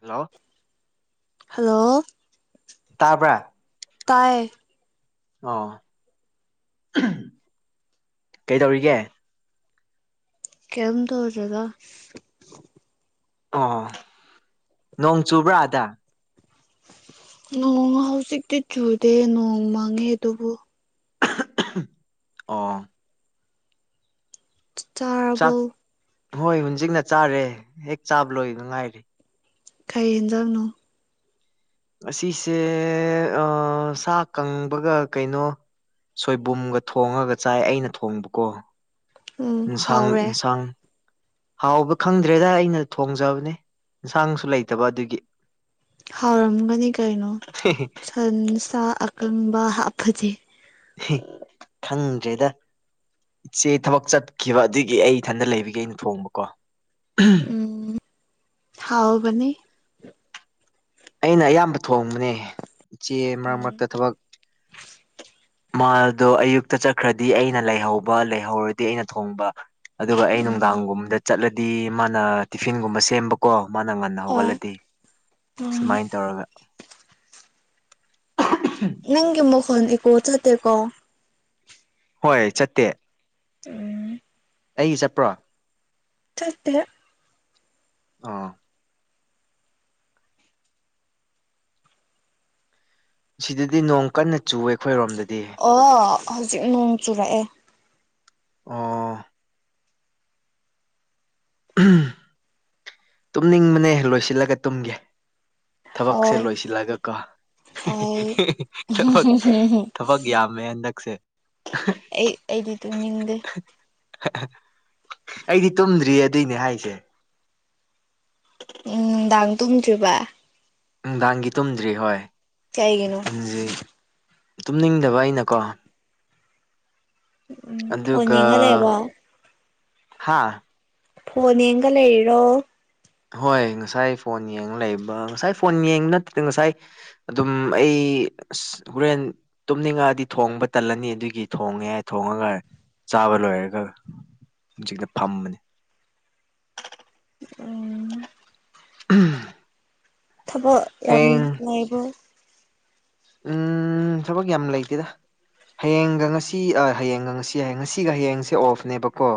Hello hello ꯇꯥꯕ꯭ꯔꯥ ꯇꯥꯏꯌꯦ ꯑꯣ ꯀꯩꯗꯧꯔꯤꯒꯦ ꯀꯩꯝ ꯇꯧꯗ꯭ꯔ‌ꯦꯗ ꯑꯣ ꯅꯣꯡ ꯆꯨꯕ꯭ꯔꯥ ꯑꯗ ꯅꯣꯡ ꯍꯧꯖꯤꯛꯇꯤ ꯆꯨꯗꯦ ꯅꯣꯡ ꯃꯥꯡꯉꯦ ꯑꯗꯨꯕꯨ ꯑꯣ ꯆꯛ ꯆꯥꯛ ꯆꯥꯔꯕ‌ꯣ ꯍꯣꯏ ꯍꯨꯖꯤꯛꯅ ꯆꯥꯔꯦ ꯍꯦꯛ ꯆꯥꯕ ꯂꯣꯏꯕꯗ ꯉꯥꯏꯔꯦ ꯀꯩ ꯍꯦꯟꯖꯥꯡꯅꯣ ꯑꯁꯤꯁꯦ ꯑꯥ ꯁꯥ ꯀꯪꯕꯒ ꯀꯩꯅꯣ ꯁꯣꯏꯕꯨꯝꯒ ꯊꯣꯡꯉꯒ ꯆꯥꯏ ꯑꯩꯅ ꯊꯣꯡꯕꯀꯣ ꯎꯝ ꯏꯟꯁꯥꯡ ꯍꯥꯎꯔꯦ ꯏꯟꯁꯥꯡ ꯍꯥꯎꯕ ꯈꯪꯗ꯭ꯔꯦꯗ ꯑꯩꯅ ꯊꯣꯡꯖꯕꯅꯦ ꯏꯟꯁꯥꯡꯁꯨ ꯂꯩꯇꯕ ꯑꯗꯨꯒꯤ ꯍꯥꯎꯔꯝꯒꯅꯤ ꯀꯩꯅꯣ ꯁꯟꯁꯥ ꯑꯀꯪꯕ ꯍꯥꯞꯄꯗꯤ ꯈꯪꯗ꯭ꯔꯦꯗ ꯏꯆꯦ ꯊꯕꯛ ꯆꯠꯈꯤꯕ ꯑꯗꯨꯒꯤ ꯑꯩ ꯏꯊꯟꯗ ꯂꯩꯕꯒꯦ ꯑꯩꯅ ꯊꯣꯡꯕꯀꯣ ꯎꯝ ꯍꯥꯎꯕꯅꯦ ꯑꯩꯅ ꯑꯌꯥꯝꯕ ꯊꯣꯡꯕꯅꯦ ꯏꯆꯦ ꯃꯔꯛ ꯎꯝ ꯃꯔꯛꯇ ꯊꯕꯛ ꯃꯥꯗꯣ ꯑꯌꯨꯛꯇ ꯆꯠꯈ꯭ꯔꯗꯤ ꯑꯩꯅ ꯂꯩꯍꯧꯕ ꯂꯩꯍꯧꯔꯗꯤ ꯑꯩꯅ ꯊꯣꯡꯕ ꯑꯗꯨꯒ ꯑꯩ ꯎꯝ ꯅꯨꯡꯗꯥꯡꯒꯨꯝꯕꯗ ꯆꯠꯂꯗꯤ ꯃꯥꯅ ꯇꯤꯐꯤꯟꯒꯨꯝꯕ ꯁꯦꯝꯕ ꯀꯣ ꯃꯥꯅ ꯉꯟꯅ ꯍꯣꯏ ꯍꯧꯒꯠꯂꯗꯤ ꯎꯝ ꯁꯨꯃꯥꯏꯅ ꯇꯧꯔꯒ ꯅꯪꯒꯤ ꯃꯈꯣꯟ ꯏꯀꯣ ꯆꯠꯇꯦꯀꯣ ꯍꯣꯏ ꯆꯠꯇꯦ ꯎꯝ ꯑꯩ ꯆꯠꯄ꯭ꯔꯣ ꯆꯠꯇ‌ꯦ ꯑꯥ ꯁꯤꯗꯗꯤ ꯅꯣꯡ ꯀꯟꯅ ꯆꯨꯋꯦ ꯑꯩꯈꯣꯏꯔꯣꯝꯗꯗꯤ ꯑꯣ ꯍꯧꯖꯤꯛ ꯅꯣꯡ ꯆꯨꯔꯛꯑꯦ ꯑ‌ꯣ [inaudible] ꯇꯨꯝꯅꯤꯡꯕꯅꯦ ꯂꯣꯏꯁꯤꯜꯂꯒ ꯇꯨꯝꯒꯦ ꯊꯕꯛꯁꯦ ꯍꯣꯏ ꯂꯣꯏꯁꯤꯜꯂꯒ ꯀꯣ ꯍꯣꯏ ꯊꯕꯛ ꯊꯕꯛ ꯌꯥꯝꯃꯦ ꯍꯟꯗꯛꯁꯦ ꯑꯩ ꯑꯩꯗꯤ ꯇꯨꯝꯅꯤꯡꯗꯦ ꯑꯩꯗꯤ ꯇꯨꯝꯗ꯭ꯔꯤꯌ‌ꯦ ꯑꯗꯨꯏꯅꯦ ꯍꯥꯏꯁꯦ ꯎꯝ ꯅꯨꯡꯗꯥꯡ ꯇꯨꯝꯗ꯭ꯔꯤꯕ ꯅꯨꯡꯗꯥꯡꯒꯤ ꯇꯨꯝꯗ꯭ꯔꯤ ꯍꯣꯏ ꯀꯩꯒꯤꯅꯣ ꯍꯨꯖꯤꯛ ꯇꯨꯝꯅꯤꯡꯗꯕ ꯑꯩꯅꯀꯣ ꯎꯝ ꯐꯣꯟ ꯑꯗꯨꯒ ꯌꯦꯡꯉ ꯂꯩꯕꯣ ꯍꯥꯥ ꯐꯣꯟ ꯌꯦꯡꯒ ꯂꯩꯔꯤꯔꯣ ꯍꯣꯏ ꯉꯁꯥꯏ ꯐꯣꯟ ꯌꯦꯡꯉ ꯂꯩꯕ ꯉꯁꯥꯏ ꯐꯣꯟ ꯌꯦꯡꯕ ꯅꯠꯇꯗ ꯉꯁꯥꯏ ꯑꯗꯨꯝ ꯑꯩ ꯑꯁ ꯍꯣꯔꯦꯟ ꯇꯨꯝꯅꯤꯡꯉꯛꯑꯗꯤ ꯊꯣꯡꯕ ꯇꯜꯂꯅꯤ ꯑꯗꯨꯒꯤ ꯊꯣꯡꯉꯦ ꯊꯣꯡꯉꯒ ꯆꯥꯕ ꯂꯣꯏꯔꯒ ꯍꯧꯖꯤꯛꯅ ꯐꯝꯕꯅꯤ [unintelligible] ꯎꯝ [unintelligible] ꯊꯕꯛ ꯌꯥꯝ ꯍꯌꯦꯡ ꯂꯩꯕ꯭ꯔ‌ꯣ ꯎꯝ ꯊꯕꯛ ꯌꯥꯝ ꯂꯩꯇꯦꯗ ꯍꯌꯦꯡꯒ ꯉꯁꯤ ꯍꯌꯦꯡꯒ ꯉꯁꯤ ꯍꯌꯦꯡ ꯉꯁꯤꯒ ꯍꯌꯦꯡꯁꯦ ꯑꯣꯐꯅꯦꯕꯀꯣ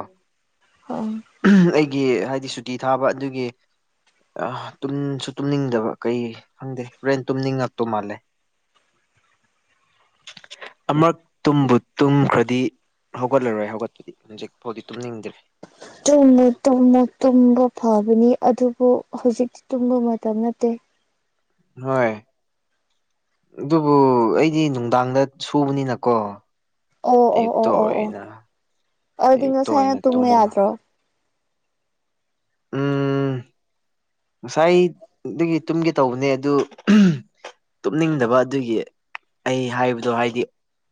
ꯑꯣꯝ ꯑꯩꯒꯤ ꯍꯥꯏꯗꯤ ꯁꯨꯇꯤ ꯊꯥꯕ ꯑꯗꯨꯒꯤ ꯇꯨꯝꯁꯨ ꯇꯨꯝꯅꯤꯡꯗꯕ ꯀꯩ ꯈꯪꯗꯦ ꯔꯣꯔꯦꯟ ꯇꯨꯝꯅꯤꯡꯉꯛꯇꯧ ꯃꯥꯜꯂꯦ ꯑꯃꯛ ꯇꯨꯝꯕꯨ ꯇꯨꯝꯈ꯭ꯔꯗꯤ ꯍꯧꯒꯠꯂꯔꯣꯏ ꯍꯧꯒꯠꯄꯗꯤ ꯍꯧꯖꯤꯛꯐꯥꯎꯗꯤ ꯇꯨꯝꯅꯤꯡꯗ꯭꯭ꯔꯔꯤ ꯇꯨꯝꯃꯨ ꯇꯨꯝꯃꯨ ꯇꯨꯝꯕ ꯐꯕꯅꯤ ꯑꯗꯨꯕꯨ ꯍꯧꯖꯤꯛꯇꯤ ꯇꯨꯝꯕ ꯃꯇꯝ ꯅꯠꯇꯦ ꯍꯣꯏ ꯑꯗꯨꯕꯨ ꯑꯩꯗꯤ ꯅꯨꯡꯗꯥꯡꯗ ꯁꯨꯕꯅꯤꯅꯀꯣ ꯑꯣ ꯑꯣ ꯑꯌꯨꯛꯇ ꯑꯣ ꯑꯣ ꯑꯣ ꯑꯣꯏꯅ ꯑꯗꯨꯗꯤ ꯑꯌꯨꯛꯇ ꯉꯁꯥꯏꯅ ꯑꯣꯏꯅ ꯇꯨꯝꯕ ꯌꯥꯗ꯭ꯔꯣ ꯎꯝ ꯉꯁꯥꯏꯗꯒꯤ ꯇꯨꯝꯒꯦ ꯇꯧꯕꯅꯦ ꯑꯗꯨ ꯇꯨꯝꯅꯤꯡꯗꯕ ꯑꯗꯨꯒꯤ ꯑꯩ ꯍꯥꯏꯕꯗꯣ ꯍꯥꯏꯗꯤ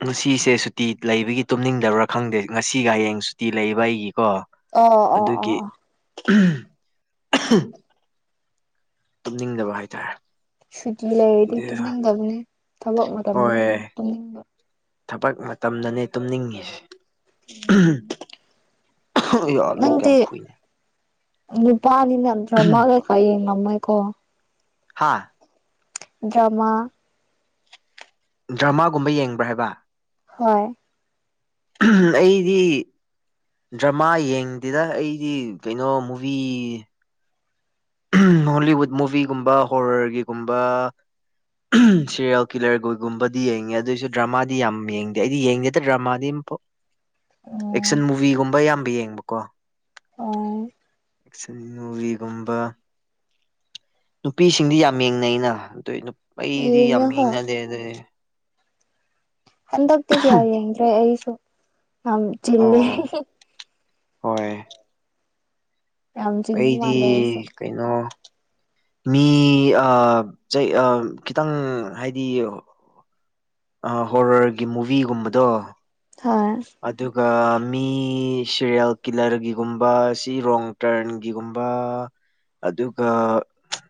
ꯉꯁꯤꯁꯦ ꯁꯨꯇꯤ ꯂꯩꯕꯒꯤ ꯇꯨꯝꯅꯤꯡꯗꯕ꯭ꯔꯥ ꯈꯪꯗꯦ ꯉꯁꯤꯒ ꯍꯌꯦꯡ ꯁꯨꯇꯤ ꯂꯩꯕ ꯑꯩꯒꯤꯀꯣ ꯑꯣ ꯑꯣ ꯑꯣ ꯑꯗꯨꯒꯤ ꯑꯣ [unintelligible] ꯇꯨꯝꯅꯤꯡꯗꯕ ꯍꯥꯏꯇꯥꯔꯦ ꯁꯨꯇ ꯂꯩꯗꯤ ꯑꯗꯨ ꯇꯨꯡ ꯂꯒꯕꯅꯦ ꯊꯕꯛ ꯃ ꯃꯇꯝꯅ ꯍꯣꯏ ꯇꯨꯡ ꯊꯕꯛ ꯃꯇꯝꯗꯅꯦ ꯇꯨꯝꯅꯤꯡꯉꯤꯁ ꯂ ꯀ ꯌꯥꯝ ꯅꯪꯗꯤ ꯈꯣꯏ ꯅꯨꯄꯥꯅꯤꯅ ꯅꯗ ꯃꯥꯂ ꯀ ꯅꯃꯥꯏꯀꯣ ꯍꯥꯥ ꯃꯥ ꯗ꯭ꯔꯃꯥꯒꯨꯝꯕ ꯌꯦꯡꯕ꯭ꯔꯥ ꯍꯥꯏꯕ ꯍꯣꯏ ꯑꯩꯗꯤ ꯗ꯭ꯔꯃꯥ ꯌꯦꯡꯗꯦꯗ ꯑꯩꯗꯤ ꯀꯩꯅꯣ ꯃꯨꯚꯤ ꯍꯣꯂꯤꯋꯨꯠ ꯃꯨꯚꯤꯒꯨꯝꯕ ꯍꯣꯔꯔꯒꯤꯒꯨꯝꯕ ꯁꯤꯦꯔꯤꯌꯦꯜ ꯀꯤꯂꯔꯈꯣꯏꯒꯨꯝꯕꯗꯤ ꯌꯦꯡꯉꯦ ꯑꯗꯨꯑꯣꯏꯁꯨ ꯗ꯭ꯔꯃꯥꯗꯤ ꯌꯥꯝ ꯌꯦꯡꯗꯦ ꯑꯩꯗꯤ ꯌꯦꯡꯗꯦꯗ ꯗ꯭ꯔꯃꯥꯗꯤ ꯑꯃꯣꯛ ꯎꯝ ꯑꯦꯛꯁꯟ ꯃꯨꯚꯤꯒꯨꯝꯕ ꯑꯌꯥꯝꯕ ꯌꯦꯡꯕꯀꯣ ꯍꯣꯏ ꯑꯦꯛꯁꯟ ꯃꯨꯚꯤꯒꯨꯝꯕ ꯅꯨꯄꯤꯁꯤꯡꯗꯤ ꯌꯥꯝ ꯌꯦꯡꯅꯩꯩꯅ ꯑꯗꯨ ꯑꯩꯗꯤ ꯌꯥꯝ ꯌꯦꯡꯉꯦ ꯍꯣꯏ ꯌꯦꯡꯅꯗꯦ ꯑꯗꯨꯗꯤ ꯍꯟꯗꯞꯇ ꯀ ꯌꯥ ꯌꯦ꯭ꯔꯦ ꯑꯩꯁꯨ ꯅꯝ ꯜꯦ ꯑꯣ ꯍꯣꯏ ꯌꯥꯝ ꯆꯤꯟꯕ ꯑꯩꯗꯤ ꯃꯥꯜꯂꯦ ꯑꯩꯁꯦ ꯀꯩꯅꯣ ꯃꯤ ꯈꯤꯇꯪ ꯍꯥꯏꯗꯤ ꯍꯣꯔꯔꯒꯤ ꯃꯨꯚꯤꯒꯨꯝꯕꯗꯣ ꯊꯥ ꯑꯗꯨꯒ ꯃꯤ ꯁꯤꯦꯔꯤꯌꯦꯜ ꯀꯤꯂꯔꯒꯤꯒꯨꯝꯕ ꯁꯤ ꯔꯣꯡ ꯇꯔꯟꯒꯤꯒꯨꯝꯕ ꯑꯗꯨꯒ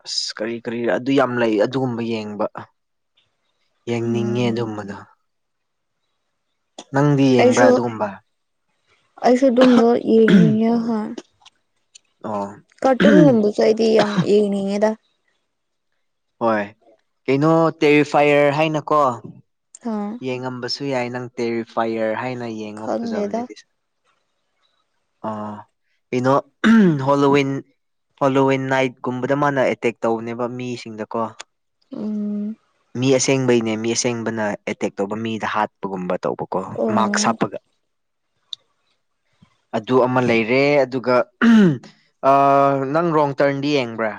ꯑꯁ ꯀꯔꯤ ꯀꯔꯤ ꯑꯗꯨ ꯌꯥꯝ ꯂꯩ ꯑꯗꯨꯒꯨꯝꯕ ꯌꯦꯡꯕ ꯌꯦꯡꯅꯤꯡꯉꯤ ꯎꯝ ꯑꯗꯨꯝꯕꯗꯣ ꯅꯪꯗꯤ ꯌꯦꯡꯕ꯭ꯔꯥ ꯑꯩꯁꯨ ꯑꯗꯨꯒꯨꯝꯕ ꯑꯩꯁꯨ ꯑꯗꯨꯝꯕ ꯌꯦꯅꯤ ꯍꯥ ꯑ ꯀꯥꯇꯨꯅ ꯉꯨꯝꯕꯨꯁꯨ ꯑꯩꯗꯤ ꯌꯥꯝ ꯑꯦꯅꯤꯌꯦꯗ ꯍꯣꯏ ꯀꯩꯅꯣ ꯇꯦꯔꯤꯐꯥꯏꯌꯔ ꯍꯥꯏꯅꯀꯣ ꯍꯥ ꯌꯦꯡꯉꯝꯕꯁꯨ ꯌꯥꯏ ꯅꯪ ꯇꯦꯔꯤꯐꯥꯏꯌꯔ ꯍꯥꯏꯅ ꯌꯦꯡꯉ ꯈꯪꯗꯦꯗ ꯐꯖꯕꯅꯦꯗꯤ ꯑ ꯏꯩꯅ ꯍꯣꯂꯋꯤꯟ ꯍꯣꯂꯣꯋꯤꯟ ꯅꯥꯏꯠꯀꯨꯝꯕꯗ ꯃꯥꯅ ꯑꯦꯇꯦꯛ ꯇꯧꯕꯅꯦꯕ ꯃꯤꯁꯤꯡꯗꯀꯣ ꯎꯝ ꯃꯤ ꯑꯁꯦꯡꯕꯩꯅꯦ ꯃꯤ ꯑꯁꯦꯡꯕꯅ ꯑꯦꯇꯦꯛ ꯇꯧꯕ ꯃꯤꯗ ꯍꯥꯠꯄꯒꯨꯝꯕ ꯇꯧꯕ ꯀꯣ ꯃꯥꯛꯁ ꯎꯝ ꯍꯥꯞꯄꯒ ꯑꯗꯨ ꯑꯃ ꯂꯩꯔꯦ ꯑꯗꯨꯒ ꯅꯪ ꯔꯣꯡ ꯇꯔꯟꯗꯤ ꯌꯦꯡꯕ꯭ꯔꯥ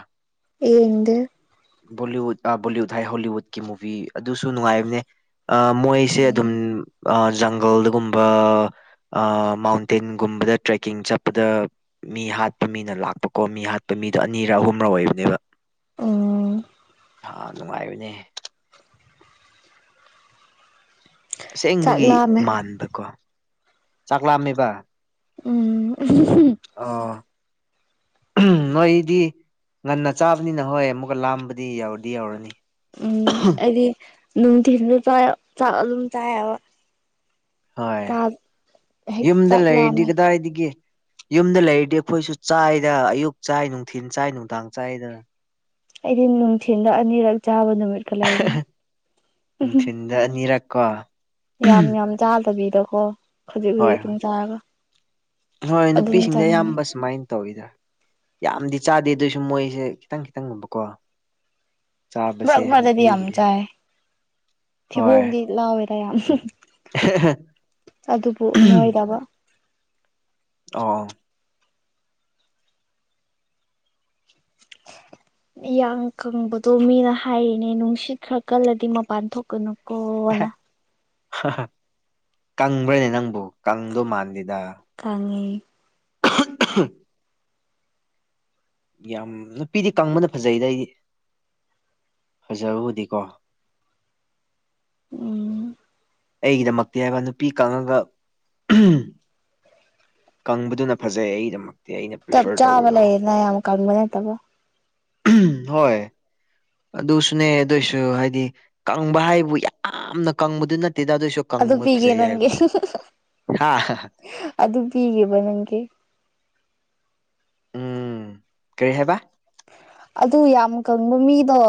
ꯌꯦꯡꯗꯦ ꯕꯣꯂꯤꯋꯨꯗ ꯕꯣꯂꯤꯋꯨꯠ ꯍꯥꯏ ꯍꯣꯂꯤꯋꯨꯗꯀꯤ ꯃꯨꯚꯤ ꯑꯗꯨꯁꯨ ꯅꯨꯡꯉꯥꯏꯕꯅꯦ ꯑꯥ ꯃꯣꯏꯁꯦ ꯎꯝ ꯑꯗꯨꯝ ꯖꯪꯒꯜꯗꯒꯨꯝꯕ ꯃꯥꯎꯟꯇꯦꯟꯒꯨꯝꯕꯗ ꯇ꯭ꯔꯦꯛꯀꯤꯡ ꯆꯠꯄꯗ ꯃꯤ ꯍꯥꯠꯄ ꯃꯤꯅ ꯂꯥꯛꯄꯀꯣ ꯃꯤ ꯍꯥꯠꯄ ꯃꯤꯗꯣ ꯑꯅꯤꯔ ꯑꯍꯨꯝꯔ ꯑꯣꯏꯕꯅꯦꯕ ꯎꯝ ꯏꯁ ꯅꯨꯡꯉꯥꯏꯕꯅꯦ ꯆꯥꯛ ꯑꯁꯦꯡꯕꯒꯤ ꯂꯥꯝꯃꯦ ꯃꯥꯟꯕꯀꯣ ꯆꯥꯛꯂꯥꯝꯃꯦꯕ ꯎꯝ ꯑꯥ ꯅꯣꯏꯗꯤ ꯉꯟꯅ ꯆꯥꯕꯅꯤꯅ ꯍꯣꯏ ꯑꯃꯨꯛꯀ ꯂꯥꯝꯕꯗꯤ ꯌꯥꯧꯔꯗꯤ ꯌꯧꯔꯅꯤ ꯎꯝ ꯑꯩꯗꯤ ꯅꯨꯡꯊꯤꯟꯜꯁꯨ ꯆ ꯆꯥꯛ ꯑꯗꯨꯝ ꯆꯥꯏꯑꯕ ꯍꯣꯏ ꯆꯥꯛ ꯍꯦꯛ ꯌꯨꯝꯗ ꯆꯥꯛ ꯂꯩꯔꯤꯗꯤ ꯂꯥꯝꯃꯦ ꯀꯗꯥꯏꯒ ꯌꯨꯝꯗ ꯂꯩꯔꯗꯤ ꯑꯩꯈꯣꯏꯁꯨ ꯆꯥꯏꯗ ꯑꯌꯨꯛ ꯆꯥꯏ ꯅꯨꯡꯊꯤꯟ ꯆꯥꯏ ꯅꯨꯡꯗꯥꯡ ꯆꯥꯏꯗ ꯑꯩꯗꯤ ꯅꯨꯡꯊꯤꯜꯗ ꯑꯅꯤꯔꯛ ꯆꯥꯕ ꯅꯨꯃꯤꯠꯀ ꯂꯩꯕꯅꯤ ꯗ ꯑꯅꯤꯔꯛ ꯀꯣ ꯌꯥꯝ ꯌꯥꯝ ꯆꯥꯗꯕꯤꯗꯀꯣ ꯈꯥꯖꯤꯛ ꯍꯣꯏ ꯈꯥꯖꯤꯛ ꯍꯣꯏ ꯇꯪ ꯆꯥꯔꯒ ꯍꯣꯏ ꯑꯗꯨꯝ ꯅꯨꯄꯤꯁꯤꯡꯗꯤ ꯆꯥꯅꯤꯡꯉꯦ ꯑꯌꯥꯝꯕ ꯁꯨꯃꯥꯏꯅ ꯇꯧꯋꯤꯗ ꯌꯥꯝꯗꯤ ꯆꯥꯗꯦ ꯑꯗꯨꯑꯣꯏꯁꯨ ꯃꯣꯏꯁꯦ ꯈꯤꯇꯪ ꯈꯤꯇꯪ ꯒꯨꯝꯕ ꯀꯣ ꯃꯔꯛ ꯃꯔꯛ ꯇꯥꯗꯤ ꯌꯥꯝ ꯅꯨꯄꯤꯒꯤꯅꯦ ꯆꯥꯌꯦ ꯍꯣꯏ ꯊꯤꯕꯣꯡꯗꯤ ꯂꯥꯎꯋꯦꯗ ꯌꯥꯝ ꯑꯗꯨꯕꯨ ꯅꯣꯏꯗꯕ ꯑꯣ [inaudible] ꯏꯌꯥꯡ ꯀꯪꯕꯗꯣ ꯃꯤꯅ ꯍꯥꯏꯔꯤꯅꯦ ꯅꯨꯡꯁꯤꯠ ꯈꯔ ꯀꯜꯂꯗꯤ ꯃꯄꯥꯟ ꯊꯣꯛꯀꯅꯣ ꯀꯪꯕ꯭ꯔꯅꯦ ꯅꯪꯕꯨ ꯀꯪꯗꯣ ꯃꯥꯟꯗꯦꯗ ꯈꯪꯉꯦ꯫ [inaudible] ꯌꯥꯝ ꯅꯨꯄꯤꯗꯤ ꯀꯪꯕꯅ ꯐꯖꯩꯗ ꯑꯩꯗꯤ ꯐꯖꯕꯕꯨꯗꯤꯀꯣ ꯎꯝ ꯑꯩꯒꯤꯗꯃꯛꯇꯤ ꯍꯥꯏꯕ ꯅꯨꯄꯤ ꯀꯟꯒꯒ ꯀꯪꯕꯗꯨꯅ ꯐꯖꯩ ꯑꯩꯒꯤꯗꯃꯛ ꯆꯞ ꯆꯥꯕ ꯂꯩꯌꯦꯅ ꯌꯥꯝ ꯀꯪꯕ ꯅꯠꯇꯕ ꯎꯝ ꯍꯣꯏ ꯑꯗꯨꯁꯨꯅꯦ ꯑꯗꯨꯏꯁꯨ ꯍꯥꯏꯗꯤ ꯀꯪꯕ ꯍꯥꯏꯕꯨ ꯌꯥꯝꯅ ꯀꯪꯕꯗꯨ ꯅꯠꯇꯦꯗ ꯑꯗꯨꯏꯁꯨ ꯑꯗꯨ ꯀꯪꯕ ꯄꯤꯒꯦ ꯐꯖꯩ ꯅꯪꯒꯤ ꯍꯥꯏꯕꯅꯦ ꯍꯥ ꯑꯗꯨ ꯄꯤꯒꯦꯕ ꯅꯪꯒꯤ ꯎꯝ ꯀꯔꯤ ꯍꯥꯏꯕ ꯑꯗꯨ ꯌꯥꯝ ꯀꯪꯕ ꯃꯤꯗꯣ